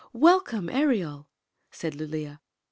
" Welcome, Ereol," said Lulea.